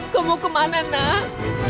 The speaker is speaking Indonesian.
kamu kemana nak